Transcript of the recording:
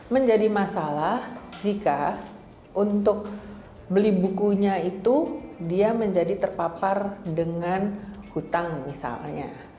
menjadi masalah jika untuk beli bukunya itu dia menjadi terpapar dengan hutang misalnya